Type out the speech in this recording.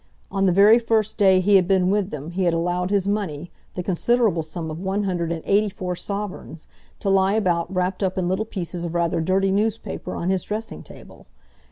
On the very first day he had been with them he had allowed his money—the considerable sum of one hundred and eighty four sovereigns—to lie about wrapped up in little pieces of rather dirty newspaper on his dressing table.